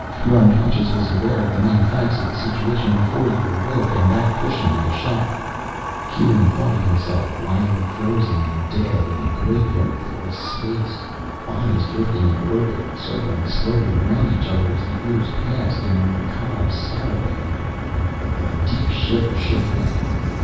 Your unconscious was aware of the main facts of the situation before you awoke, and that cushioned the shock." Kieran thought of himself, lying frozen and dead in a graveyard that was space, bodies drifting in orbit, circling slowly around each other as the years passed, in a macabre sarabande A deep shiver shook him.